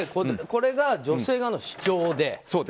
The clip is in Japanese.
これが女性側の主張で。